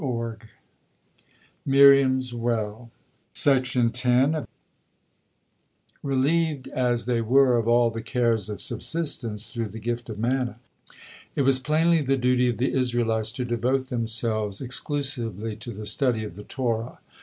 MIRIAM'S WELL Relieved as they were of all the cares of subsistence through the gift of manna, it was plainly the duty of the Israelites to devote themselves exclusively to the study of the Torah.